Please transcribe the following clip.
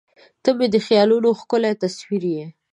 • ته مې د خیالونو ښکلی تصور یې.